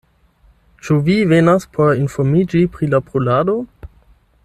Ĉu vi venas por informiĝi pri la brulado?